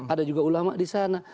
ada juga ulama disana